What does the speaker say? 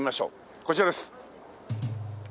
こちらです。